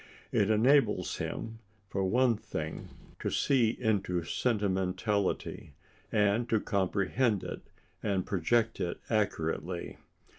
It enables him, for one thing, to see into sentimentality, and to comprehend it and project it accurately.